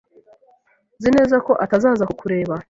Nzi neza ko atazaza kukureba.